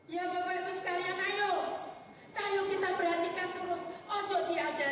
ya bapak ibu sekalian ayo ayo kita perhatikan terus